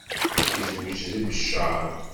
Yezweǧ deg Beccaṛ.